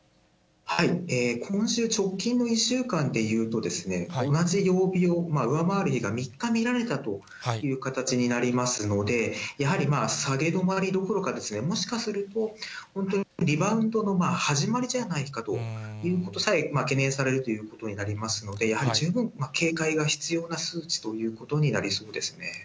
今週、直近の１週間でいうと、同じ曜日を上回る日が３日見られたという形になりますので、やはり下げ止まりどころか、もしかすると、本当にリバウンドの始まりじゃないかということさえ懸念されるということになりますので、やはり十分、警戒が必要な数値ということになりそうですね。